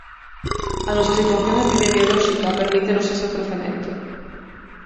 A nosa situación epidemiolóxica permítenos ese ofrecemento.